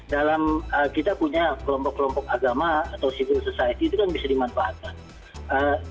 dalam kita punya kelompok kelompok agama atau civil society itu kan bisa dimanfaatkan